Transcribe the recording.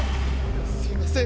すいません。